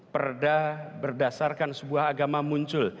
perda berdasarkan sebuah agama muncul